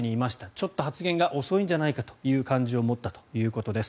ちょっと発言が遅いんじゃないかという感じを持ったということです。